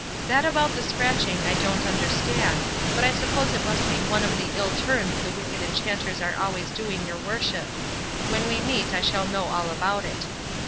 That about the scratching I don't understand; but I suppose it must be one of the ill turns the wicked enchanters are always doing your worship; when we meet I shall know all about it.